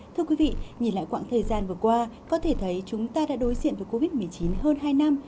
thưa quý vị nhìn lại quãng thời gian vừa qua có thể thấy chúng ta đã đối diện với covid một mươi chín hơn hai năm